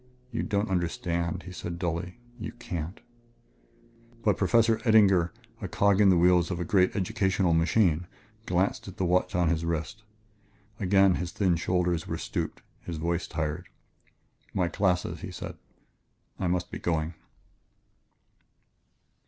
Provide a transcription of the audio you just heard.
"You don't understand," he said dully; "you can't " But Professor Eddinger, a cog in the wheels of a great educational machine, glanced at the watch on his wrist. Again his thin shoulders were stooped, his voice tired. "My classes," he said. "I must be going...."